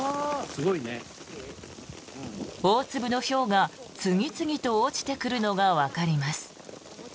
大粒のひょうが次々と落ちてくるのがわかります。